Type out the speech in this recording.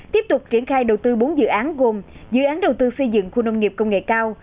tiếp tục triển khai đầu tư bốn dự án gồm dự án đầu tư xây dựng khu nông nghiệp công nghệ cao